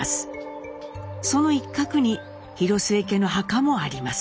その一角に広末家の墓もあります。